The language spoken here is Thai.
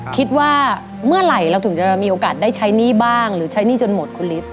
คิดว่าเมื่อไหร่เราถึงจะมีโอกาสได้ใช้หนี้บ้างหรือใช้หนี้จนหมดคุณฤทธิ